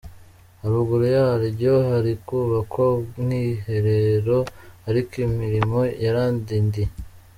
Haruguru yaryo hari kubakwa ubwiherero ariko imirimo yaradindiye.